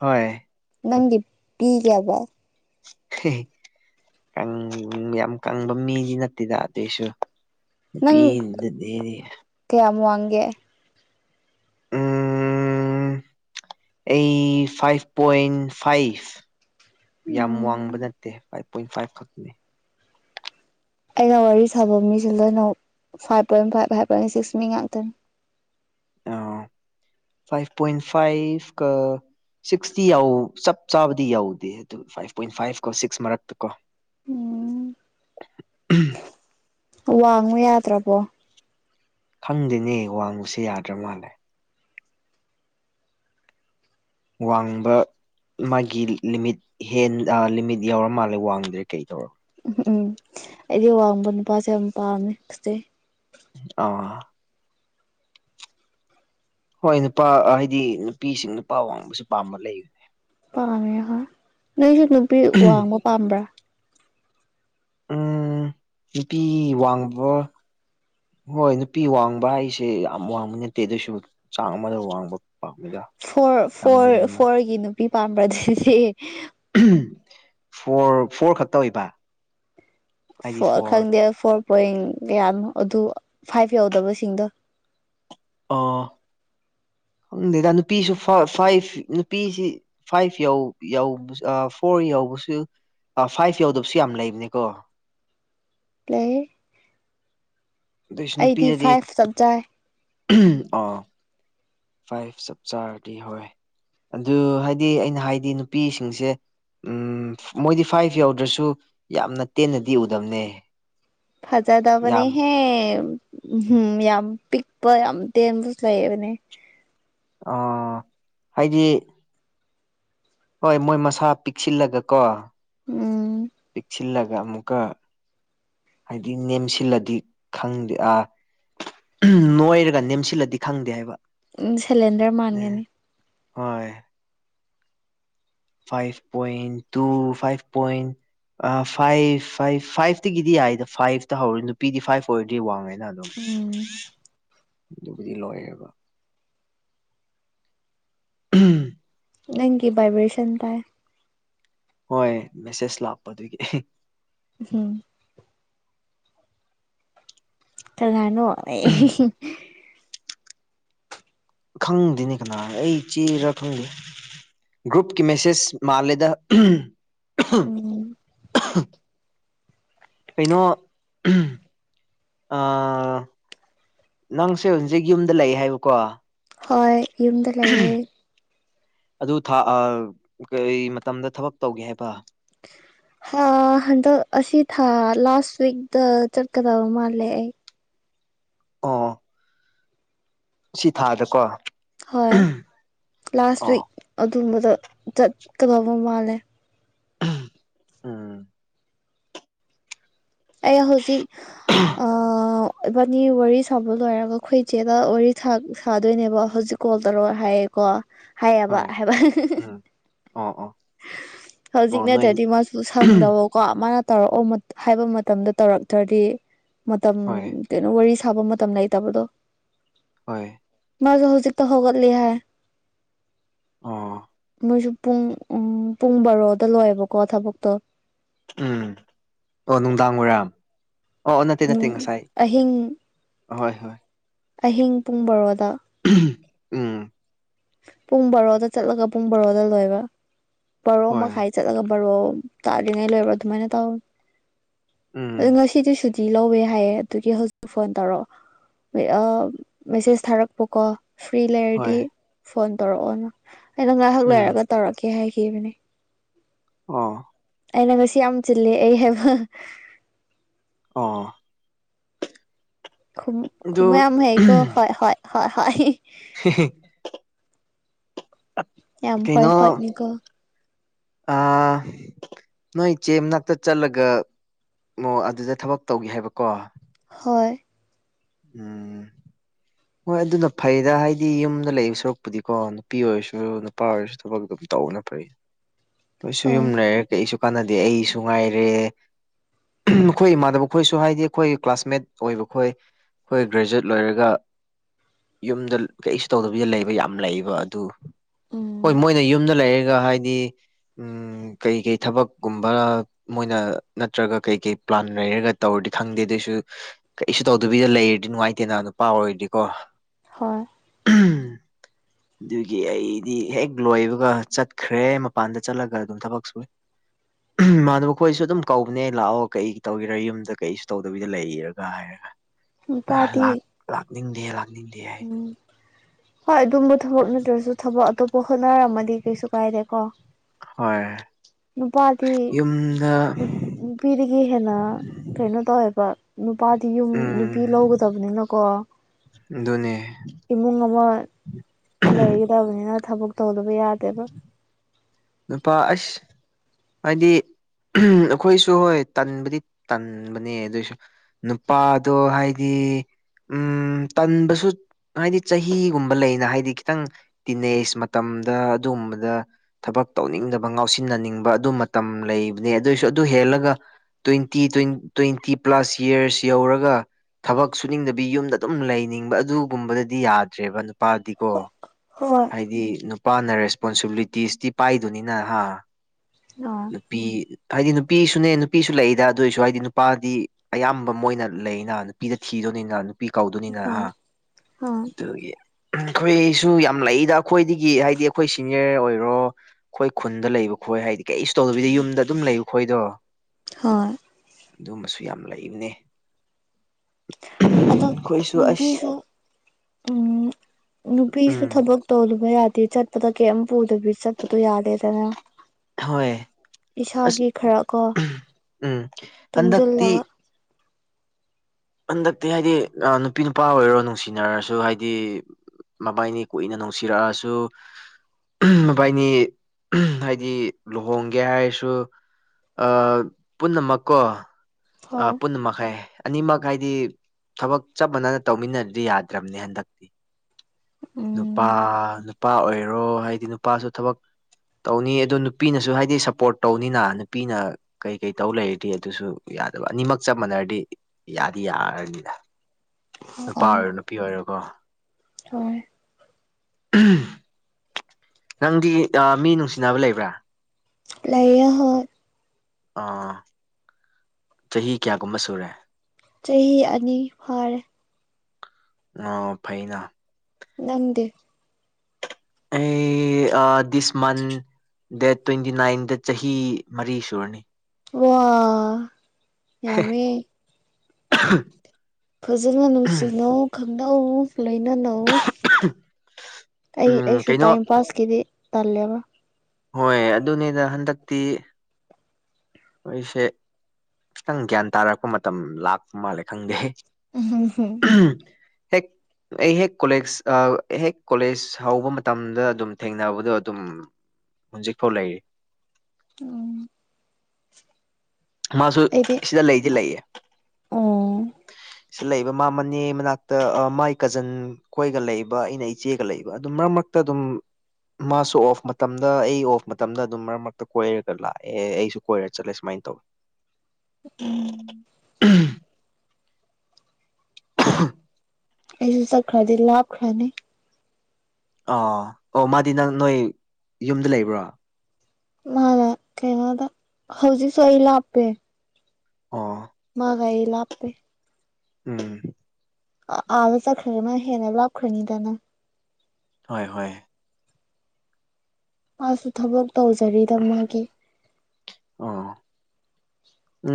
ꯍꯣꯏ ꯅꯪꯒꯤ ꯄꯤꯒꯦꯕ [inaudible] ꯌꯥꯝ ꯀꯪꯕ ꯃꯤꯗꯤ ꯅꯠꯇꯦꯗ ꯑꯗꯨꯑꯣꯏꯁꯨ ꯅꯨꯄꯤ ꯅꯪ ꯏꯔꯤ ꯀꯌꯥꯝ ꯋꯥꯡꯒꯦ ꯎꯝ ꯑꯩ ꯐꯥꯏꯚ ꯄꯣꯏꯟ ꯐꯥꯏꯚ ꯌꯥꯝ ꯎꯝ ꯋꯥꯡꯕ ꯅꯠꯇꯦ ꯐꯥꯏꯚ ꯄꯣꯏ ꯐꯥꯏꯚ ꯈꯅꯤ ꯑꯩꯅ ꯋꯥꯔꯤ ꯁꯥꯕ ꯃꯤꯁꯤ ꯂꯣꯏꯅꯃꯛ five point five five point six ꯃꯤ ꯉꯥꯛꯇꯅꯤ ꯑ ꯐꯥꯏꯚ ꯄꯣꯏꯟ ꯐꯥꯏꯚ ꯀꯥ ꯁꯤꯛꯁꯇꯤ ꯌꯥꯎ ꯆꯞ ꯆꯥꯕꯗꯤ ꯌꯥꯎꯗꯦ ꯑꯗꯨ ꯐꯥꯏꯚ ꯄꯣꯏꯟ ꯐꯥꯏꯚ ꯀꯣ ꯁꯤꯛꯁ ꯃꯔꯛꯇ ꯀꯣ [inaudible] ꯎꯝ ꯋꯥꯡꯉꯨ ꯌꯥꯗ꯭ꯔꯕꯣ ꯈꯪꯗꯦꯅꯦ ꯋꯥꯡꯕꯁꯦ ꯌꯥꯗ꯭ꯔ ꯃꯥꯜꯂꯦ ꯋꯥꯡꯕ ꯃꯥꯒꯤ ꯂꯤꯃꯤꯠ ꯍꯦꯟ ꯑꯥ ꯂꯤꯃꯤꯠ ꯌꯥꯎꯔ ꯃꯥꯜꯂꯦ ꯋꯥꯡꯗ꯭ꯔꯦ ꯀꯩ ꯇꯧꯔ ꯎꯝ ꯎꯝ ꯑꯩꯗꯤ ꯋꯥꯡꯕ ꯅꯨꯄꯥꯁꯦ ꯌꯥꯝ ꯄꯥꯝꯃꯦ ꯐꯖꯩ ꯑ ꯍꯣꯏ ꯅꯨꯄꯥ ꯍꯥꯏꯗꯤ ꯅꯨꯄꯤꯁꯤꯡ ꯅꯨꯄꯥ ꯋꯥꯡꯕꯁꯨ ꯄꯥꯝꯕ ꯂꯩ ꯄꯥꯝꯃꯦ ꯍꯣꯏ ꯅꯣꯏꯁꯨ ꯅꯨꯄꯤ ꯋꯥꯡꯕ ꯄꯥꯝꯕ꯭ꯔꯥ ꯎꯝ ꯅꯨꯄꯤ ꯋꯥꯡꯕ ꯍꯣꯏ ꯅꯨꯄꯤ ꯋꯥꯡꯕ ꯍꯥꯏꯁꯦ ꯌꯥꯝ ꯋꯥꯡꯕ ꯅꯠꯇꯦ ꯑꯗꯨꯏꯁꯨ ꯆꯥꯡ ꯑꯃꯗ ꯋꯥꯡꯕ ꯄꯥꯝꯃꯤꯗ ꯐꯣꯔ ꯌꯥꯝ ꯐꯣꯔ ꯅꯦꯝꯅ ꯐꯣꯔꯒꯤ ꯅꯨꯄꯤ ꯄꯥꯝꯕꯔꯥꯗꯨꯗꯤ ꯐꯣꯔ ꯐꯣꯔ ꯈꯛꯇ ꯑꯣꯏꯕ ꯍꯥꯏꯗꯤ ꯐ ꯐꯣꯔ ꯈꯪꯗꯦ ꯐꯣꯔ ꯄꯣꯏꯟ ꯀꯌꯥꯅꯣ ꯑꯗꯨ ꯐꯥꯏꯚ ꯌꯧꯗꯕꯁꯤꯡꯗꯣ ꯑꯣ ꯈꯪꯗꯦꯗ ꯅꯨꯄꯤꯁꯨ ꯐꯥꯏꯚ ꯅꯨꯄꯤꯁꯤ ꯐꯥꯏꯚ ꯐꯣꯔ ꯌꯧꯕꯁꯨ ꯐꯥꯏꯚ ꯌꯧꯗꯕꯁꯨ ꯌꯥꯝ ꯂꯩꯕꯅꯤꯀꯣ ꯄ꯭ꯂꯦ ꯑꯗꯨꯢꯁꯨ ꯅꯨꯄꯤꯗꯗꯤ ꯐꯥꯏꯚ ꯆꯞ ꯆꯥꯏ ꯑꯝ ꯑꯥ ꯐꯥꯏꯚ ꯆꯞ ꯆꯥꯔꯗꯤ ꯍꯧꯌꯦ ꯑꯗꯨ ꯍꯥꯏꯗꯤ ꯑꯩꯅ ꯍꯥꯏꯗꯤ ꯅꯨꯄꯤꯁꯤꯡꯁꯦ ꯎꯝ ꯃꯣꯏꯗꯤ ꯐꯥꯏꯚ ꯌꯎꯗ꯭ꯔꯁꯨ ꯌꯥꯝꯅ ꯇꯦꯟꯅꯗꯤ ꯎꯗꯕꯅꯦ ꯌꯥꯝ ꯐꯖꯥꯗꯕꯅꯦꯍꯦ ꯎꯝꯍꯝ ꯌꯥꯝ ꯄꯤꯛꯄ ꯌꯥꯝ ꯇꯦꯟꯕꯁꯨ ꯂꯩꯕꯅꯦ ꯑ ꯍꯥꯏꯗꯤ ꯍꯣꯏ ꯃꯣꯏ ꯃꯁꯥ ꯄꯤꯛꯁꯤꯜꯂꯒ ꯀꯣ ꯎꯝ ꯄꯤꯛꯁꯤꯜꯂꯒ ꯑꯃꯨꯛꯀ ꯍꯥꯏꯗꯤ ꯅꯦꯝꯁꯤꯜꯂꯗꯤ ꯈꯪꯗꯦ ꯑꯥ ꯅꯣꯏꯔꯒ ꯅꯦꯝꯁꯤꯜꯂꯗꯤ ꯈꯪꯗꯦ ꯍꯥꯏꯕ ꯎꯝ ꯁꯤꯂꯦꯗꯔ ꯃꯥꯟꯒꯅꯤ ꯍꯣꯢ five point two five point ꯑ ꯐꯥꯏꯚ ꯐꯥꯏꯚ ꯐꯥꯏꯚꯇꯒꯤꯗꯤ ꯌꯥꯏꯗ ꯐꯥꯏꯚꯇ ꯍꯧꯔ ꯅꯨꯄꯤꯗꯤ ꯐꯥꯏꯚ ꯑꯣꯏꯔꯗꯤ ꯋꯥꯡꯉꯦꯅ ꯑꯗꯨꯝ ꯎꯝ ꯑꯗꯨꯕꯨꯗꯤ ꯂꯣꯏꯌꯦꯕ ꯎꯝ ꯅꯪꯒꯤ ꯕꯥꯏꯕ꯭ꯔꯦꯁꯟ ꯇꯥꯏ ꯍꯣꯏ ꯃꯦꯁꯦꯁ ꯂꯥꯛꯄꯗꯨꯒꯤ ꯎꯝ ꯀꯅꯅꯣ ꯑꯩ ꯍꯤꯍꯤ ꯈꯪꯗꯦꯅꯦ ꯀꯅꯥ ꯑꯩ ꯆꯦꯔꯥ ꯈꯪꯗꯦ ꯒ꯭ꯔꯨꯞꯀꯤ ꯃꯦꯁꯦꯁ ꯃꯥꯜꯂꯦꯗ ꯎꯝ ꯀꯩꯅꯣ ꯑꯝ ꯑꯥ ꯅꯪꯁꯦ ꯍꯧꯖꯤꯛꯁꯦ ꯌꯨꯝꯗ ꯂꯩ ꯍꯥꯏꯕꯀꯣ ꯍꯣꯏ ꯌꯨꯝꯗ ꯂꯩꯌꯦ ꯑꯗꯨ ꯊꯥ ꯀꯩ ꯃꯇꯝꯗ ꯊꯕꯛ ꯇꯧꯒꯦ ꯍꯥꯏꯕ ꯍꯥ ꯍꯟꯗꯛ ꯑꯁꯤ ꯊꯥ ꯂꯥꯁ ꯋꯤꯛꯇ ꯆꯠꯀꯗꯕ ꯃꯥꯂꯦ ꯑꯩ ꯑꯣ ꯁꯤ ꯊꯥꯗꯀꯣ ꯍꯣꯏ ꯂꯥꯁ ꯑꯣ ꯋꯤꯛ ꯑꯗꯨꯝꯕꯗ ꯆꯠꯀꯗꯕ ꯃꯥꯜꯂꯦ ꯎꯝ ꯑꯩ ꯍꯧꯖꯤꯛ ꯏꯕꯥꯅꯤ ꯋꯥꯔꯤ ꯁꯥꯕ ꯂꯣꯏꯔꯒ ꯑꯩꯈꯣꯏ ꯏꯆꯦꯗ ꯋꯥꯔꯤ ꯁꯥꯗꯣꯏꯅꯦꯕ ꯍꯧꯖꯤꯛ ꯀꯣꯜ ꯇꯧꯔꯑꯣ ꯍꯥꯏꯌꯦꯀꯣ ꯍꯥꯏꯌꯦꯕ ꯍꯣꯏ ꯍꯥꯏꯕ ꯎꯝ ꯑꯣ ꯑꯣ ꯍꯧꯖꯤꯛ ꯑꯣ ꯅꯣꯏ ꯅꯠꯇ꯭ꯔꯗꯤ ꯃꯥꯁꯨ ꯁꯪꯗꯕ ꯀꯣ ꯃꯥꯅ ꯇꯧꯔꯛꯑꯣ ꯍꯥꯏꯕ ꯃꯇꯝꯗ ꯇꯧꯔꯛꯇ꯭ꯔꯗꯤ ꯃꯇꯝ ꯍꯣꯏ ꯀꯩꯅꯣ ꯋꯥꯔꯤ ꯁꯥꯕ ꯃꯇꯝ ꯂꯩꯇꯕꯗꯣ ꯍꯣꯏ ꯃꯥꯖꯨ ꯍꯧꯖꯤꯛꯛꯇ ꯍꯒꯠꯂꯤ ꯍꯥꯏ ꯑꯣ ꯃꯣꯏꯁꯨ ꯄꯨꯡ ꯄꯨꯡ ꯕꯥꯔꯣꯗ ꯂꯣꯏꯌꯦꯕꯀꯣ ꯊꯕꯛꯇꯣ ꯎꯝ ꯑꯣ ꯅꯨꯡꯗꯥꯡ ꯋꯥꯏꯔꯥꯝ ꯑꯣ ꯅꯠꯇꯦ ꯅꯠꯇꯦ ꯎꯝ ꯉꯁꯥꯏ ꯑꯍꯤꯡ ꯑꯍꯣꯏ ꯍꯣꯏ ꯑꯍꯤꯡ ꯄꯨꯡ ꯕꯔꯣꯗ ꯎꯝ ꯄꯨꯡ ꯕꯔꯣꯗ ꯆꯠꯂꯒ ꯄꯨꯡ ꯕꯔꯣꯗ ꯂꯣꯏꯕ ꯕꯥꯔꯣ ꯍꯣꯏ ꯃꯈꯥꯏ ꯆꯠꯂꯕ ꯔꯣ ꯇꯥꯗꯔꯤꯉꯩ ꯂꯣꯏꯔꯕ꯭ꯔꯣ ꯑꯗꯨꯃꯥꯏꯅ ꯇꯥꯎ ꯎ ꯑ ꯉꯁꯤꯗꯤ ꯁꯨꯗꯤ ꯂꯧꯋꯦ ꯍꯥꯏꯌꯦ ꯑꯗꯨꯒꯤ ꯍꯧꯖꯤꯛ ꯐꯣꯟ ꯇꯧꯔꯛꯑꯣ ꯃꯦꯁꯦꯁ ꯊꯥꯔꯛꯄꯀꯣ ꯐ꯭ꯔꯤ ꯂꯩꯔꯗꯤ ꯍꯣꯏ ꯐꯣꯟ ꯇꯧꯔꯛꯑꯣꯅ ꯑꯩꯅ ꯉꯥꯏꯍꯥꯛ ꯎꯝ ꯂꯩꯔꯒ ꯇꯧꯔꯛꯀꯦ ꯍꯥꯏꯈꯤꯕꯅꯦ ꯑꯣ ꯑꯩꯅ ꯉꯁꯤ ꯌꯥꯝ ꯆꯤꯜꯂꯦ ꯑꯩ ꯍꯥꯏꯕ ꯑꯣ ꯈꯨꯝ ꯑꯗꯨ ꯈꯨꯝꯕ ꯌꯥꯝ ꯍꯩꯀꯣ ꯍꯣꯢ ꯍꯣꯢ ꯍꯣꯢ ꯍꯤ ꯍꯤ ꯌꯥꯝ ꯍꯣꯏ ꯍꯣꯢꯅꯤꯒꯣ ꯑꯥ ꯅꯣꯏ ꯏꯆꯦꯅꯥꯛꯇ ꯆꯠꯂꯒ ꯑꯗꯨꯗ ꯊꯕꯛ ꯇꯧꯒꯦ ꯍꯥꯏꯕꯀꯣ ꯍꯣꯏ ꯎꯝ ꯍꯣꯏ ꯑꯗꯨꯅ ꯐꯩꯗ ꯍꯥꯏꯗꯤ ꯌꯨꯝꯗ ꯂꯩꯕ ꯁꯔꯨꯛꯄꯨꯗꯤꯀꯣ ꯅꯨꯄꯤ ꯑꯣꯏꯔꯁꯨ ꯅꯨꯄꯥ ꯑꯣꯏꯔꯁꯨ ꯊꯕꯛ ꯑꯗꯨꯝ ꯇꯧꯕꯅ ꯐꯩ ꯀꯣꯏꯁꯨ ꯌꯨꯝ ꯍꯣꯏ ꯂꯩ ꯀꯩꯁꯨ ꯀꯥꯟꯅꯗꯦ ꯑꯩꯁꯨ ꯉꯥꯏꯔꯦ ꯃꯈꯣꯏ ꯏꯃꯥꯟꯗꯅꯕ ꯈꯣꯏꯁꯨ ꯍꯥꯏꯗꯤ ꯑꯩꯈꯣꯏꯒꯤ ꯀ꯭ꯂꯥꯁꯃꯦꯠ ꯑꯣꯏꯕ ꯈꯣꯏ ꯑꯩꯈꯣꯏ ꯒ꯭ꯔꯦꯖꯨꯌꯦꯠ ꯂꯣꯏꯔꯒ ꯌꯨꯝꯗ ꯀꯩꯁꯨ ꯇꯧꯗꯕꯤꯗ ꯂꯩꯕ ꯌꯥꯝ ꯂꯩꯕ ꯑꯗꯨ ꯍꯣꯏ ꯎꯝ ꯃꯣꯏꯅ ꯌꯨꯝꯗ ꯂꯩꯔꯒ ꯍꯥꯏꯗꯤ ꯎꯝ ꯀꯩꯀꯩ ꯊꯕꯛꯀꯨꯝꯕ ꯃꯣꯏꯅ ꯅꯠꯇ꯭ꯔꯒ ꯀꯩ ꯀꯩ ꯄ꯭ꯂꯥꯟ ꯂꯩꯔꯒ ꯇꯧꯔꯗꯤ ꯈꯪꯗꯦ ꯑꯗꯨꯏꯁꯨ ꯀꯩꯁꯨ ꯇꯧꯗꯕꯤ ꯂꯩꯔꯗꯤ ꯅꯨꯡꯉꯥꯏꯇꯦꯅ ꯅꯨꯄꯥ ꯑꯣꯏꯔꯗꯤꯀꯣ ꯍꯣꯏ ꯎꯝ ꯑꯗꯨꯒꯤ ꯑꯩꯗꯤ ꯍꯦꯛ ꯂꯣꯏꯕꯒ ꯆꯠꯈ꯭ꯔꯦ ꯃꯄꯥꯟꯗ ꯆꯠꯂꯒ ꯑꯗꯨꯝ ꯊꯕꯛ ꯁꯨꯏ ꯏꯃꯥꯟꯅꯕ ꯃꯈꯣꯏꯁꯨ ꯑꯗꯨꯝ ꯀꯧꯕꯅꯦ ꯂꯥꯛꯑꯣ ꯀꯩ ꯇꯧꯒꯦꯔꯥ ꯌꯨꯝꯗ ꯀꯩꯁꯨ ꯇꯧꯗꯕꯤꯗ ꯂꯩꯔꯒ ꯍꯥꯏꯔꯒ ꯅꯨꯄꯥꯗꯤ ꯂꯥꯛꯅꯤꯡꯗꯦ ꯂꯥꯛꯅꯤꯡꯗꯦ ꯍꯥꯏ ꯎꯝ ꯍꯣꯏ ꯑꯗꯨꯝꯕ ꯊꯕꯛ ꯅꯠꯇ꯭ꯔꯁꯨ ꯊꯕꯛ ꯑꯇꯣꯞꯄ ꯍꯣꯠꯅꯔꯝꯃꯗꯤ ꯀꯩꯁꯨ ꯀꯥꯏꯗꯦꯀꯣ ꯍꯣꯏ ꯅꯨꯄꯥꯇꯤ ꯌꯨꯝꯗ ꯅꯨꯄꯤꯗꯒꯤ ꯍꯦꯟꯅ ꯀꯩꯅꯣ ꯇꯧꯋꯦꯕ ꯅꯨꯄꯥꯗꯤ ꯌꯨꯝ ꯅꯨꯄꯤ ꯂꯧꯒꯗꯕꯅꯤꯅꯀꯣ ꯗꯨꯅ‌ꯦ ꯏꯃꯨꯡ ꯑꯃ ꯂꯩꯒꯗꯕꯅꯤꯅ ꯊꯕꯛ ꯇꯧꯗꯕ ꯌꯥꯗꯦꯕ ꯅꯨꯄꯥ ꯑꯁ ꯍꯥꯏꯗꯤ ꯑꯩꯈꯣꯏꯁꯨ ꯍꯣꯏ ꯇꯟꯕꯨꯗꯤ ꯇꯟꯕꯅꯦ ꯑꯗꯨꯏꯁꯨ ꯅꯨꯄꯥꯗꯣ ꯍꯥꯏꯗꯤ ꯎꯝ ꯇꯟꯕꯁꯨ ꯍꯥꯏꯗꯤ ꯆꯍꯤꯒꯨꯝꯕ ꯂꯩꯅ ꯍꯥꯏꯗꯤ ꯈꯤꯇꯪ ꯇꯤꯅ‌ꯦꯖ ꯃꯇꯝꯗ ꯑꯗꯨꯝꯕꯗ ꯊꯕꯛ ꯇꯧꯅꯤꯡꯗꯕ ꯉꯥꯎꯁꯤꯟꯅꯅꯤꯡꯕ ꯑꯗꯨ ꯃꯇꯝ ꯂꯩꯕꯅꯦ ꯑꯗꯨꯏꯁꯨ ꯑꯗꯨ ꯍꯦꯜꯂꯒ ꯇ꯭ꯋꯦꯟꯇꯤ ꯇ꯭ꯋ‌ꯦꯟ ꯇ꯭ꯋꯦꯟꯇꯤ ꯄ꯭ꯂꯥꯁ ꯏꯌꯔꯁ ꯌꯧꯔꯒ ꯊꯕꯛ ꯁꯨꯅꯤꯡꯗꯕꯤ ꯌꯨꯝꯗ ꯑꯗꯨꯝ ꯂꯩꯅꯤꯡꯕ ꯑꯗꯨꯒꯨꯝꯕꯗꯗꯤ ꯌꯥꯗ꯭ꯔꯦꯕ ꯅꯨꯄꯥꯗꯤꯀꯣ ꯍꯣꯏ ꯍꯥꯏꯗꯤ ꯅꯨꯄꯥꯅ ꯔꯦꯁꯄꯣꯟꯁꯤꯕꯤꯂꯤꯇꯤꯁꯇꯤ ꯄꯥꯏꯗꯨꯢꯅꯤꯅ ꯍꯥ ꯍꯣꯢ ꯅꯨꯄꯤ ꯍꯥꯏꯗꯤ ꯅꯨꯄꯤꯁꯨꯅꯦ ꯅꯨꯄꯤꯁꯨ ꯂꯩꯏꯗ ꯑꯗꯨꯑꯣ ꯑꯣꯏꯁꯨ ꯍꯥꯏꯗꯤ ꯅꯨꯄꯥꯗꯤ ꯑꯌꯥꯝꯕ ꯃꯣꯏꯅ ꯂꯩꯅ ꯅꯨꯄꯤꯗ ꯊꯤꯗꯣꯏꯅꯤꯅ ꯅꯨꯄꯤ ꯀꯥꯎꯗꯣꯏꯅꯤꯅ ꯍ ꯍ ꯑꯗꯨꯒꯤ ꯑꯩꯈꯣꯏꯁꯨ ꯌꯥꯝ ꯂꯩꯗ ꯑꯩꯈꯣꯏꯗꯒꯤ ꯍꯥꯏꯗꯤ ꯑꯩꯈꯣꯏ ꯁꯤꯅꯤꯌꯔ ꯑꯣꯏꯔꯣ ꯑꯩꯈꯣꯏ ꯈꯨꯟꯗ ꯂꯩꯕ ꯈꯣꯏ ꯍꯥꯏꯗꯤ ꯀꯩꯁꯨ ꯇꯧꯗꯕꯤꯗ ꯌꯨꯝꯗ ꯑꯗꯨꯝ ꯂꯩꯕ ꯈꯣꯏꯗꯣ ꯍꯣꯏ ꯑꯗꯨꯝꯕꯁꯨ ꯌꯥꯝ ꯂꯩꯕꯅꯦ ꯑꯗꯣ ꯑꯩꯈꯣꯏꯁꯨ ꯑꯁ ꯅꯨꯄꯤꯁꯨ ꯎꯝ ꯅꯨꯄꯤꯁꯨ ꯎꯝ ꯊꯕꯛ ꯇꯣꯜꯂꯨꯕ ꯌꯥꯗꯦ ꯆꯠꯄꯗ ꯀꯩꯝ ꯄꯨꯗꯕꯤ ꯆꯠꯄꯗꯣ ꯌꯥꯗꯦꯗꯅ ꯍꯣꯏ ꯑꯁ ꯏꯁꯥꯒꯤ ꯈꯔ ꯀꯣ ꯎꯝ ꯇꯨꯡꯁꯤꯜꯂꯒ ꯍꯟꯗꯛꯇꯤ ꯍꯟꯗꯛꯇꯤ ꯍꯥꯏꯗꯤ ꯑꯥ ꯅꯨꯄꯤ ꯅꯨꯄꯥ ꯑꯣꯏꯔꯣ ꯅꯨꯡꯁꯤꯅꯔꯁꯨ ꯍꯥꯏꯗꯤ ꯃꯕꯥꯏꯅꯤ ꯀꯨꯏꯅ ꯅꯨꯡꯁꯤꯔꯛꯑꯁꯨ ꯃꯕꯥꯥꯏꯅꯤ ꯍꯥꯏꯗꯤ ꯂꯨꯍꯣꯡꯒꯦ ꯍꯥꯏꯔꯁꯨ ꯑ ꯄꯨꯟꯅꯃꯛꯀꯣ ꯑ ꯍꯣꯏ ꯄꯨꯟꯅ ꯃꯛ ꯍꯥꯏꯌ‌ꯦ ꯑꯅꯤꯃꯛ ꯍꯥꯏꯗꯤ ꯊꯕꯛ ꯆꯞ ꯃꯥꯟꯅꯅ ꯇꯧꯃꯤꯟꯅꯗ꯭ꯔꯗꯤ ꯌꯥꯗ꯭ꯔꯕꯅꯦ ꯍꯟꯗꯛꯇꯤ ꯅꯨꯄꯥ ꯎꯝ ꯅꯨꯄꯥ ꯑꯣꯏꯔꯣ ꯍꯥꯏꯗꯤ ꯅꯨꯄꯥꯁꯨ ꯊꯕꯛ ꯇꯧꯅꯤ ꯑꯗꯨ ꯅꯨꯄꯤꯅꯁꯨ ꯍꯥꯏꯗꯤ ꯁꯞꯄꯣꯔꯠ ꯇꯧꯅꯤꯅ ꯅꯨꯄꯤꯅ ꯀꯩ ꯀꯩ ꯇꯧ ꯂꯩꯔꯗꯤ ꯑꯗꯨꯁꯨ ꯌꯥꯗꯕ ꯑꯅꯤꯃꯛ ꯆꯞ ꯃꯥꯟꯅꯔꯗꯤ ꯌꯥꯗꯤ ꯌꯥꯔꯅꯤꯗ ꯅꯨꯄꯥ ꯑꯣꯏꯔꯣ ꯅꯨꯄꯤ ꯑꯣꯏꯔꯣꯀꯣ ꯍ‌ꯣꯏ ꯅꯪꯗꯤ ꯑꯥ ꯃꯤ ꯅꯨꯡꯁꯤꯅꯕ ꯂꯩꯕ꯭ꯔꯥ [unintelligible] ꯑ ꯆꯍꯤ ꯀꯌꯥꯒꯨꯝꯕ ꯁꯨꯔꯦ ꯆꯍꯤ ꯑꯅꯤ ꯐꯥꯔꯦ ꯑꯣ ꯐꯩꯅꯥ ꯅꯪꯗꯤ ꯑꯩ ꯑꯥ ꯗꯤꯁ ꯃꯥꯟ ꯗꯦꯠ ꯇ꯭ꯋꯦꯟꯇꯤ ꯅꯥꯏꯟꯗ ꯆꯍꯤ ꯃꯔꯤ ꯁꯨꯔꯅꯤ ꯋꯥ ꯌꯥꯝꯃꯦ [inaudible] ꯐꯖꯅ ꯅꯨꯡꯁꯤꯅꯧ ꯈꯪꯅꯧ ꯂ‌ꯣꯏꯅꯅꯧ ꯑꯣ ꯑꯩ ꯎꯝ ꯑꯩꯁꯨ ꯀꯩꯅꯣ ꯇꯥꯏꯝ ꯄꯥꯁꯀꯤꯗꯤ ꯇꯜꯂꯦꯕ ꯍꯣꯏ ꯑꯗꯨꯅꯤꯗ ꯍꯟꯗꯛꯇꯤ ꯍ‌ꯣꯏꯁꯦ ꯈꯤꯇꯪ ꯒ꯭ꯌꯥꯟ ꯇꯥꯔꯛꯄ ꯃꯇꯝ ꯂꯥꯛꯄ ꯃꯥꯜꯂꯦ ꯈꯪꯗꯦ [inaudible] [unintelligible] ꯍꯦꯛ ꯑꯩ ꯍꯦꯛ ꯀꯣꯂꯦꯖ ꯑꯥ ꯍꯦꯛ ꯀꯣꯂꯦꯖ ꯍꯧꯕ ꯃꯇꯝꯗ ꯑꯗꯨꯝ ꯊꯦꯡꯅꯕꯗꯣ ꯑꯗꯨꯝ ꯍꯧꯖꯤꯛꯐꯥꯎ ꯂꯩꯔꯤ ꯑꯣ ꯃꯥꯁꯨ ꯁꯤꯗ ꯂꯩꯗꯤ ꯂꯩꯌꯦ ꯑ‌ꯣ ꯁꯤꯗ ꯂꯩꯕ ꯃꯥ ꯃꯅꯦ ꯃꯅꯥꯛꯇ ꯃꯥꯏ ꯀꯖꯟ ꯑꯩꯈꯣꯏꯒ ꯂꯩꯕ ꯑꯩꯅ ꯏꯆꯦꯒ ꯂꯩꯕ ꯑꯗꯨꯝ ꯃꯔꯛ ꯃꯔꯛꯇ ꯑꯗꯨꯝ ꯃꯥꯁꯨ ꯑꯣꯐ ꯃꯇꯝꯗ ꯑꯩ ꯑꯣꯐ ꯃꯇꯝꯗ ꯑꯗꯨꯝ ꯃꯔꯛ ꯃꯔꯛꯇ ꯀꯣꯏꯔꯒ ꯂꯥꯛꯑꯦ ꯑꯩꯁꯨ ꯀꯣꯏꯔ ꯆꯠꯂꯦ ꯁꯨꯃꯥꯏꯅ ꯇꯧꯋꯦ ꯎꯝ [unintelligible] ꯑꯩꯁꯨ ꯆꯠꯈ꯭ꯔꯗꯤ ꯂꯥꯞꯈ꯭ꯔꯅꯤ ꯑ ꯑꯣ ꯃꯥꯗꯤ ꯅꯪ ꯅꯣꯏ ꯌꯨꯝꯗ ꯂꯩꯕ꯭ꯔꯣ ꯃꯥꯅ ꯀꯩꯅ‌ꯣꯗ ꯍꯧꯖꯤꯛꯁꯨ ꯑꯩ ꯂꯥꯞꯄ‌ꯦ ꯑꯣ ꯃꯥꯒ ꯑꯩꯒ ꯂꯥꯞꯄꯦ ꯎꯝ ꯑꯥ ꯑꯥꯗ ꯆꯠꯈ꯭ꯔꯃ ꯍꯦꯟꯅ ꯂꯥꯞꯈ꯭ꯔꯅꯤꯗꯅ ꯍꯣꯏ ꯍꯣꯏ ꯃꯥꯁꯨ ꯊꯕꯛ ꯇꯧꯖꯔꯤꯗ ꯃꯥꯒꯤ ꯑꯣ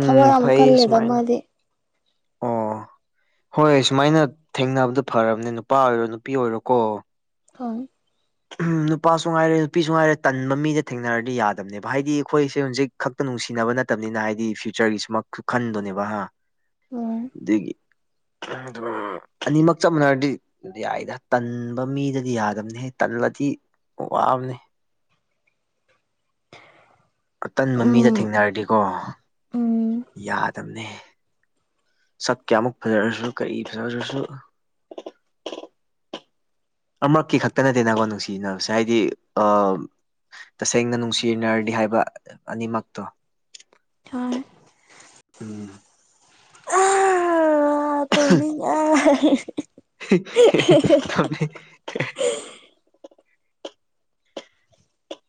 ꯊꯋꯥꯏ ꯌꯥꯝ ꯐꯩ ꯀꯜꯂꯦꯗ ꯁꯨꯃꯥꯏꯅ ꯃꯥꯗꯤ ꯑꯣ ꯍꯣꯏ ꯁꯨꯃꯥꯏꯅ ꯊꯦꯡꯅꯕꯗꯣ ꯐꯔꯕꯅꯦ ꯅꯨꯄꯥ ꯑꯣꯏꯔꯣ ꯅꯨꯄꯤ ꯑꯣꯏꯔꯣꯀꯣ ꯍꯧ ꯅꯨꯄꯥꯁꯨ ꯉꯥꯏꯔꯦ ꯅꯨꯄꯤꯁꯨ ꯉꯥꯏꯔꯦ ꯇꯟꯕ ꯃꯤꯗ ꯊꯦꯡꯅꯔꯗꯤ ꯌꯥꯗꯕꯅꯦꯕ ꯍꯥꯏꯗꯤ ꯑꯩꯈꯣꯏꯁꯦ ꯍꯧꯖꯤꯛ ꯈꯛꯇ ꯅꯨꯡꯁꯤꯅꯕ ꯅꯠꯇꯕꯅꯤꯅ ꯍꯥꯏꯗꯤ ꯐ꯭ꯌꯨꯆꯔꯒꯤ ꯁꯃꯛ ꯈꯟꯗꯣꯅꯦꯕ ꯍꯥ ꯎꯝ [unintelligible] ꯑꯗꯨ ꯑꯅꯤꯃꯛ ꯆꯞ ꯃꯥꯟꯅꯔꯗꯤ ꯌꯥꯏꯗ ꯇꯟꯕ ꯃꯤꯗꯗꯤ ꯌꯥꯗꯕꯅꯤ ꯍꯦ ꯇꯜꯂꯗꯤ ꯋꯥꯕꯅꯦ ꯑꯇꯟꯕ ꯃꯤꯗ ꯎꯝ ꯊꯦꯡꯅꯔꯗꯤꯀꯣ ꯎꯝ ꯌꯥꯗꯅꯦ ꯁꯛ ꯀꯌꯥꯃꯨꯛ ꯐꯖꯔꯁꯨꯅ ꯀꯔꯤ ꯐꯖꯔꯁꯨ ꯑꯃꯨꯔꯛꯀꯤ ꯈꯛꯇ ꯅꯠꯇꯦ ꯅꯀꯣ ꯅꯨꯡꯁꯤꯅꯕꯁꯦ ꯍꯥꯏꯗꯤ ꯑꯥ ꯇꯁꯦꯡꯅ ꯅꯨꯡꯁꯤꯅꯔꯗꯤ ꯍꯥꯏꯕ ꯑꯅꯤꯃꯛꯇꯣ ꯍꯣꯏ ꯎꯝ [unintelligible] [unintelligible] ꯇꯨꯝꯅꯤꯡꯉꯦ [inaudible]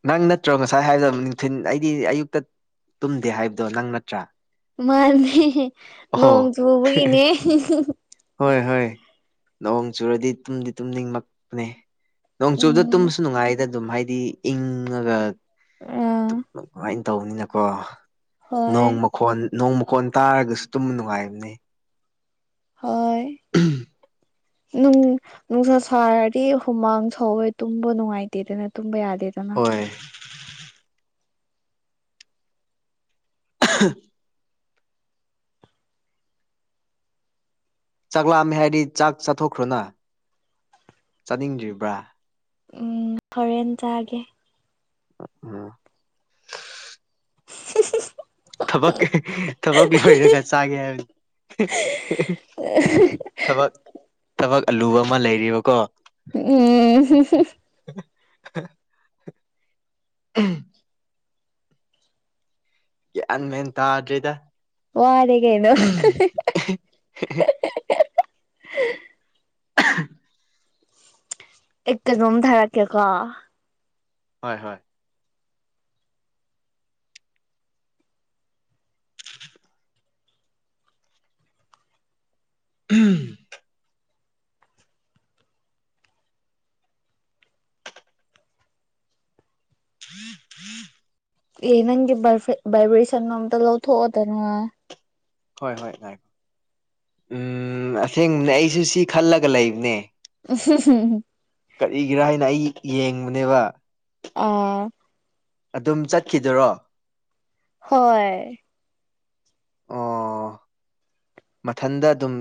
ꯅꯪ ꯅꯠꯇ꯭ꯔꯣ ꯉꯁꯥꯏ ꯍꯥꯏꯕꯗꯣ ꯅꯨꯡꯊꯤꯟ ꯑꯩꯗꯤ ꯑꯌꯨꯛꯇ ꯇꯨꯝꯗꯦ ꯍꯥꯏꯕꯗꯣ ꯅꯪ ꯅꯠꯇ꯭ꯔꯥ ꯃꯥꯅꯦ ꯅꯣꯡ ꯑꯣꯍꯣ ꯆꯨꯕꯒꯤꯅꯦ ꯍꯣꯏ ꯍꯣꯏ ꯅꯣꯡ ꯆꯨꯔꯗꯤ ꯇꯨꯝꯗꯤ ꯇꯨꯝꯅꯤꯡꯃꯛꯄꯅꯦ ꯅꯣꯡꯆꯨꯕꯗꯣ ꯎꯝ ꯇꯨꯝꯕꯁꯨ ꯅꯨꯡꯉꯥꯏꯗ ꯑꯗꯨꯝ ꯍꯥꯏꯗꯤ ꯏꯪꯉꯒ ꯑꯥ ꯇꯨꯝꯕ ꯅꯨꯉꯥꯏ ꯇꯧꯕꯅꯤꯅꯀꯣ ꯍꯣꯏ ꯅꯣꯡꯃ ꯈꯣꯟ ꯅꯣꯡ ꯃꯈꯣꯟ ꯇꯥꯔꯒꯁꯨ ꯇꯨꯝꯕ ꯅꯨꯡꯉꯥꯏꯕꯅꯦ ꯍꯣꯏ ꯅꯨꯡ ꯅꯨꯡꯁꯥ ꯁꯥꯔꯗꯤ ꯍꯨꯃꯥꯡ ꯁꯧꯋꯦ ꯇꯨꯝꯕ ꯅꯨꯡꯉꯥꯏꯇꯦꯗꯅ ꯇꯨꯝꯕ ꯌꯥꯗꯦ ꯍꯣꯏ [unintelligible] ꯆꯥꯛꯂꯥꯝꯃꯦ ꯍꯥꯏꯗꯤ ꯆꯥꯛ ꯆꯥꯊꯣꯛꯈ꯭ꯔꯣꯅ ꯆꯥꯅꯤꯡꯗ꯭ꯔꯤꯕ꯭ꯔꯥ ꯎꯝ ꯍꯣꯔꯦꯟ ꯆꯥꯒꯦ [unintelligible] ꯊꯕꯛ ꯊꯕꯛ ꯂꯣꯏꯔꯒ ꯆꯥꯒꯦ ꯍꯥꯏꯔꯗꯤ ꯊꯕꯛ ꯊꯕꯛ ꯑꯂꯨꯕ ꯑꯃ ꯂꯩꯔꯤꯕꯀꯣ [unintelligible] [unintelligible] ꯒ꯭ꯌꯥꯟ ꯃꯦꯟ ꯇꯥꯗ꯭ꯔꯦꯗ ꯋꯥꯔꯦꯀꯩꯅꯣ [inaudible] [inaudible] ꯑꯦ ꯀꯩꯅꯣꯝ ꯊꯥꯔꯛꯀꯦꯀꯣ ꯍꯣꯏ ꯍꯣꯏ ꯎꯝ [unintelligible] ꯑꯦ ꯅꯪꯒꯤ ꯕꯥꯏꯕ꯭ꯔꯦꯁꯟꯗꯣ ꯑꯃꯇ ꯂꯧꯊꯣꯛꯑꯣꯗꯅ ꯍꯣꯏ ꯍꯣꯏ ꯉꯥꯏꯈꯤ ꯎꯝ ꯑꯁꯦꯡꯕꯅꯦ ꯑꯩꯁꯨ ꯁꯤ ꯈꯜꯂꯒ ꯂꯩꯕꯅꯦ [inaudible] ꯀꯔꯤꯒꯤꯔꯥ ꯍꯥꯏꯅ ꯑꯩ ꯌꯦꯡꯕꯅꯦꯕ ꯑꯥ ꯑꯗꯨꯝ ꯆꯠꯈꯤꯗꯔꯣ ꯍꯣꯏ ꯑꯣ ꯃꯊꯟꯗ ꯑꯗꯨꯝ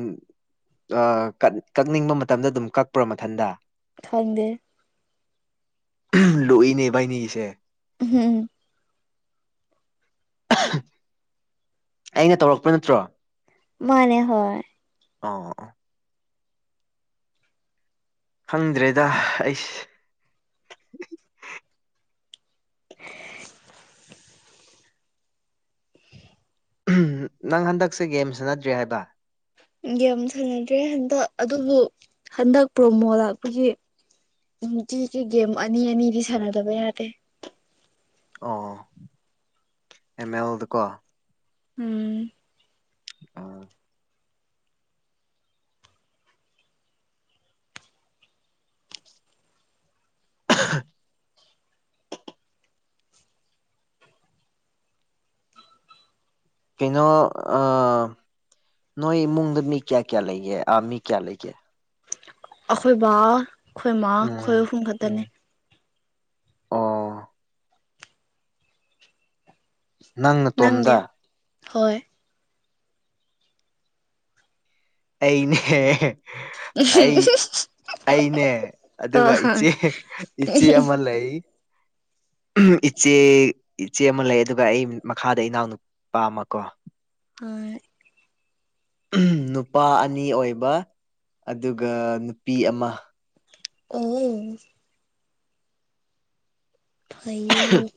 ꯀꯛꯅꯤꯡꯕ ꯃꯇꯝꯗ ꯑꯗꯨꯝ ꯀꯛꯄ꯭ꯔꯥ ꯃꯊꯟꯗ ꯈꯪꯗꯦ ꯂꯨꯏꯅꯦ ꯏꯕꯥꯏꯅꯤꯒꯤꯁꯦ [unintelligible] ꯑꯩꯅ ꯇꯧꯔꯛꯄ ꯅꯠꯇ꯭ꯔꯣ ꯃꯥꯅꯦ ꯍꯣꯏ ꯑꯣ ꯈꯪꯗ꯭ꯔꯦꯗ ꯑꯩꯁ ꯅꯪ ꯍꯟꯗꯛꯁꯦ ꯒꯦꯝ ꯁꯥꯟꯅꯗ꯭ꯔꯦ ꯍꯥꯏꯕ ꯒꯦꯝ ꯁꯥꯟꯅꯗ꯭ꯔꯦ ꯍꯟꯗꯛ ꯑꯗꯨꯕꯨ ꯍꯟꯗꯛ ꯄ꯭ꯔꯣꯃꯣ ꯂꯥꯛꯄꯒꯤ ꯅꯨꯡꯇꯤꯒꯤ ꯒꯦꯝ ꯑꯅꯤ ꯑꯅꯤꯗꯤ ꯁꯥꯟꯅꯗꯕ ꯌꯥꯗꯦ ꯑꯣ ꯑꯦꯃꯦꯜꯗꯀꯣ ꯎꯝ ꯑꯥ [inaudible] ꯀꯩꯅꯣ ꯑꯥ ꯅꯣꯏ ꯏꯃꯨꯡꯗ ꯃꯤ ꯀꯌꯥ ꯀꯌꯥ ꯂꯩꯒꯦ ꯑꯥ ꯃꯤ ꯀꯌꯥ ꯂꯩꯒꯦ ꯑꯩꯈꯣꯏ ꯕꯥ ꯑꯩꯈꯣꯏ ꯏꯃꯥ ꯑꯩꯈꯣꯏ ꯎꯝ ꯑꯍꯨꯝ ꯈꯛꯇꯅꯦ ꯎꯝ ꯑꯣ ꯅꯪ ꯅꯪꯗꯤ ꯅꯇꯣꯝꯗ ꯍꯣꯏ ꯑꯩꯅꯦ ꯑꯩ ꯑꯩꯅꯦ ꯑ ꯑꯗꯨꯒ ꯏꯆꯦ ꯏꯆꯦ ꯑꯃ ꯂꯩ ꯏꯆꯦ ꯏꯆꯦ ꯑꯃ ꯂꯩ ꯑꯗꯨꯒ ꯑꯩ ꯃꯈꯥꯗ ꯏꯅꯥꯎꯅ ꯄꯥꯝꯃꯀꯣ ꯍꯣꯏ ꯅꯨꯄꯥ ꯑꯅꯤ ꯑꯣꯏꯕ ꯑꯗꯨꯒ ꯅꯨꯄꯤ ꯑꯃ ꯑꯣ ꯐꯩꯌꯦ ꯍꯥꯏꯌꯣ